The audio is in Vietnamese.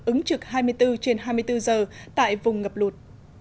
ứng trực hai mươi bốn trên hai mươi bốn giờ tại vùng ngập lụt